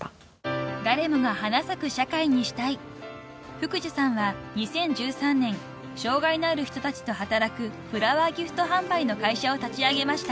［福寿さんは２０１３年障害のある人たちと働くフラワーギフト販売の会社を立ち上げました］